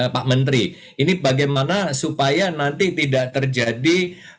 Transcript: pak menteri ini bagaimana supaya nanti tidak terjadi